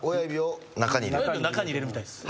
親指を中に入れるみたいです。